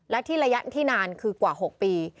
และที่ระยะที่นานคือกว่า๖ปี